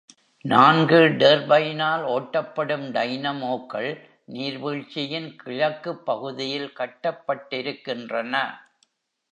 நான்கு டர்பைனால் ஓட்டப்படும் டைனமோக்கள் நீர்வீழ்ச்சியின் கிழக்குப் பகுதியில் கட்டப்பட்டிருக்கின்றன.